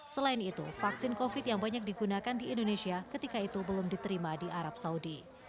selain itu vaksin covid yang banyak digunakan di indonesia ketika itu belum diterima di arab saudi